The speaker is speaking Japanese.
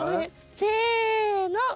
せの！